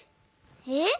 えっ？